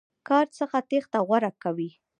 کار څخه تېښته غوره کوي.